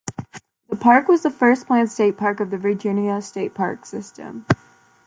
The park was the first planned state park of the Virginia State Park system.